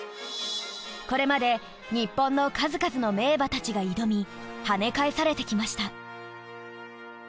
これまで日本の数々の名馬たちが挑み跳ね返されてきました。